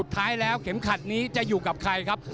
ท้ายแล้วเข็มขัดนี้จะอยู่กับใครครับ